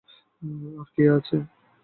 আর কী আছে?